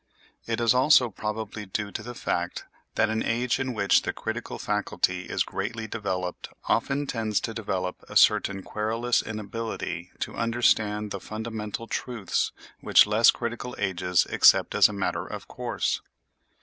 It is also probably due to the fact that an age in which the critical faculty is greatly developed often tends to develop a certain querulous inability to understand the fundamental truths which less critical ages accept as a matter of course.